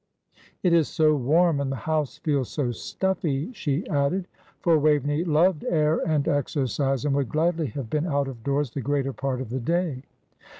"It is so warm, and the house feels so stuffy!" she added; for Waveney loved air and exercise, and would gladly have been out of doors the greater part of the day.